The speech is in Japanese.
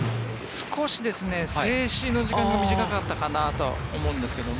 少し静止の時間が短かったかなと思うんですけども。